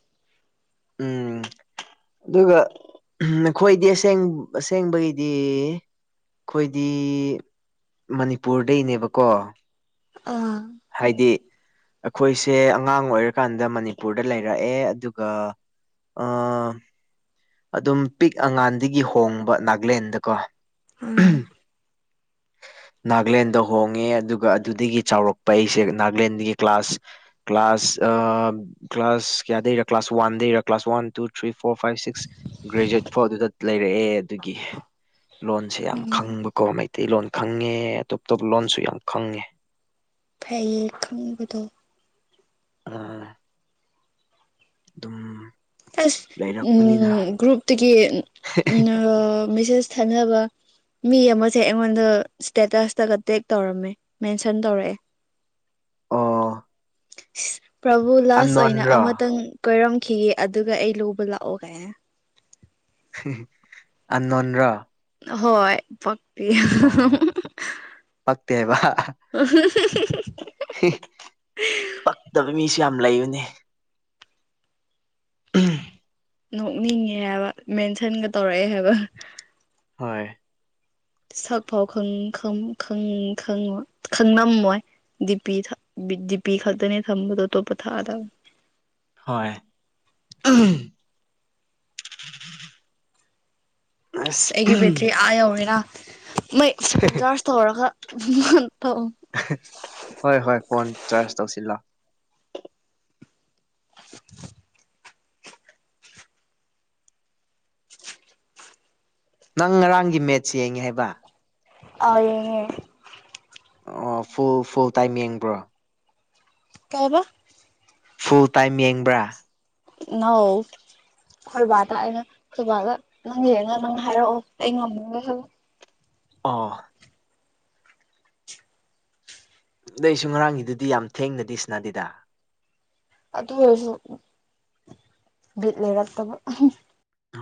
ꯎꯝ ꯑꯗꯨꯒ ꯅꯈꯣꯏꯗꯤ ꯑꯁꯦꯡ ꯑꯁꯦꯡꯕꯩꯗꯤ ꯑꯩꯈꯣꯏꯗꯤ ꯃꯅꯤꯄꯨꯔꯗꯩꯅꯦꯕꯀꯣ ꯑꯥ ꯍꯥꯏꯗꯤ ꯑꯩꯈꯣꯏꯁꯦ ꯑꯉꯥꯡ ꯑꯣꯏꯔꯀꯥꯟꯗ ꯃꯅꯤꯄꯨꯔꯗ ꯂꯩꯔꯛꯑꯦ ꯑꯗꯨꯒ ꯑꯥ ꯑꯗꯨꯝ ꯄꯤꯛ ꯑꯉꯥꯟꯗꯒꯤ ꯍꯣꯡꯕꯀꯣ ꯅꯥꯒꯂꯦꯟꯗꯀꯣ ꯎꯝ ꯅꯥꯒꯂꯦꯟꯗ ꯍꯣꯡꯉꯦ ꯑꯗꯨꯒ ꯑꯗꯨꯗꯒꯤ ꯆꯥꯎꯔꯛꯄ ꯑꯩꯁꯦ ꯅꯥꯒꯂꯦꯟꯗꯒꯤ ꯀ꯭ꯂꯥꯁ ꯀ꯭ꯂꯥꯁ ꯑꯥ ꯀ꯭ꯂꯥꯁ ꯀꯌꯥꯗꯩꯔ ꯀ꯭ꯂꯥꯁ ꯋꯥꯟꯗꯩꯔ class one two three four five six graduate ꯐꯥꯎ ꯑꯗꯨꯗ ꯂꯩꯔꯛꯑꯦ ꯑꯗꯨꯒꯤ ꯂꯣꯟꯁꯦ ꯌꯥꯝ ꯎꯝ ꯈꯪꯕꯀꯣ ꯃꯩꯇꯩꯂꯣꯟ ꯈꯪꯉꯦ ꯑꯇꯣꯞ ꯑꯇꯣꯞꯄ ꯂꯣꯟꯁꯨ ꯌꯥꯝ ꯈꯪꯉꯦ ꯐꯩꯌꯦ ꯈꯪꯕꯗꯣ ꯑꯥ ꯑꯗꯨꯝ ꯑꯁ ꯂꯩꯔꯛꯄꯅꯤꯅ ꯒ꯭ꯔꯨꯞꯇꯒꯤ ꯑꯥ ꯃꯦꯁꯦꯁ ꯊꯥꯅꯕ ꯃꯤ ꯑꯃꯁꯦ ꯑꯩꯉꯣꯟꯗ ꯏꯁꯇꯦꯇꯁꯇꯒ ꯇꯦꯛ ꯇꯧꯔꯝꯃꯦ ꯃꯦꯟꯁꯟ ꯇꯧꯔꯛꯑꯦ [inaudible] ꯑꯣ ꯏꯁ ꯄ꯭ꯔꯕꯨ ꯂꯥꯁ ꯑꯣꯏꯅ ꯑꯟꯅꯣꯟꯔꯣ ꯑꯃꯇꯪ ꯀꯣꯏꯔꯝꯈꯤꯒꯦ ꯑꯗꯨꯒ ꯑꯩ ꯂꯧꯕ ꯂꯥꯛꯑꯣꯒꯥꯏꯅ ꯑꯟꯅꯣꯟ ꯔꯥ ꯍꯣꯏ ꯐꯛꯇꯦ ꯌꯥꯝ ꯄꯛꯇꯦꯕꯥ ꯍꯤ ꯀꯛꯇꯕ ꯃꯤꯁꯨ ꯌꯥꯝ ꯂꯩꯕꯅꯦ ꯑꯝ ꯅꯣꯛꯅꯤꯡꯉꯦ ꯍꯥꯏꯕ ꯃꯦꯟꯁꯟꯒ ꯇꯧꯔꯛꯑꯦ ꯍꯥꯏꯕ ꯍꯣꯏ ꯁꯛ ꯐꯥꯎꯪ ꯈꯪ ꯈꯪ ꯈꯪ ꯈꯪꯉꯣꯢ ꯈꯪꯉꯝꯃꯣꯏ ꯗꯤꯄꯤ ꯗꯤꯄꯄꯤ ꯈꯇꯅꯦ ꯊꯝꯕꯗ ꯇꯣꯞꯄ ꯊꯥꯗ ꯍꯣꯏ ꯑꯝ ꯑꯁ ꯑꯩꯒꯤ ꯕꯦꯇ꯭ꯔꯤ ꯑꯥ ꯌꯧꯔꯦꯅ ꯃꯩ ꯐꯣꯟ ꯆꯥꯔꯖ ꯇꯧꯔꯒꯧ ꯍꯥ ꯍꯣꯏ ꯍꯣꯏ ꯐꯣꯟ ꯆꯥꯔꯖ ꯇꯧꯁꯤꯜꯂꯣ ꯅꯪ ꯉꯔꯥꯡꯒꯤ ꯃꯦꯠꯁ ꯌꯦꯡꯉꯦ ꯍꯥꯏꯕ꯫ ꯑꯥ ꯌꯦꯡ ꯉꯦ꯫ ꯑꯣ ꯐꯨꯜ ꯐꯨꯜ ꯇꯥꯏꯝ ꯌꯦꯡꯕ꯭ꯔꯣ ꯀꯩꯕꯥ ꯐꯨꯜ ꯇꯥꯏꯝ ꯌꯦꯡꯕ꯭ꯔꯥ ꯅꯣ ꯑꯩꯈꯣꯏꯕꯥꯗ ꯑꯩꯅ ꯁꯣꯏꯕꯥꯜꯗ ꯅꯪ ꯌꯦꯡꯉꯉ ꯅꯪ ꯍꯥꯏꯔꯛꯑꯣ ꯑꯩ ꯉꯝꯃꯣꯢ ꯍꯥꯢꯕ ꯑꯣ ꯑꯗꯣꯏꯗꯨ ꯉꯔꯥꯡꯒꯤꯗꯨꯗꯤ ꯌꯥꯝ ꯊꯦꯡꯅꯗꯤ ꯁꯥꯟꯅꯗꯦꯗꯥ ꯑꯗꯨ ꯑꯣꯏꯔꯁꯨ ꯕꯤꯠ ꯂꯩꯔꯛꯇꯕ